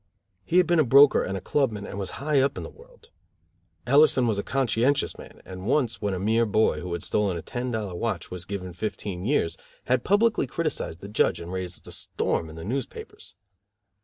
He had been a broker and a clubman, and was high up in the world. Ellerson was a conscientious man, and once, when a mere boy, who had stolen a ten dollar watch, was given fifteen years, had publicly criticized the judge and raised a storm in the newspapers.